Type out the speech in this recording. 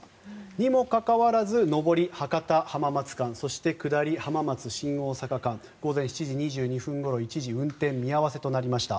にもかかわらず上り、博多浜松間そして、下り浜松新大阪間午前７時２２分ごろ一時運転見合わせとなりました。